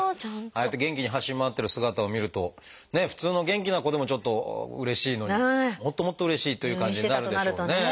ああやって元気に走り回ってる姿を見るとね普通の元気な子でもちょっとうれしいのにもっともっとうれしいという感じになるでしょうね。